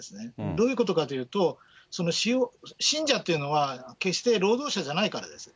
どういうことかというと、その信者というのは、決して労働者じゃないからです。